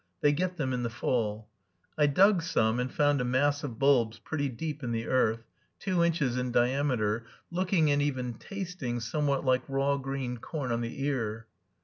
They get them in the fall. I dug some, and found a mass of bulbs pretty deep in the earth, two inches in diameter, looking, and even tasting, somewhat like raw green corn on the ear.